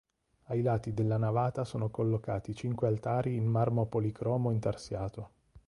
Ai lati della navata sono collocati cinque altari in marmo policromo intarsiato.